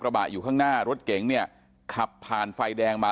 กระบะอยู่ข้างหน้ารถเก่งขับผ่านไฟแดงมา